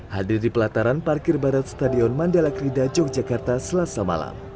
hadir di pelataran parkir barat stadion mandala krida yogyakarta selasa malam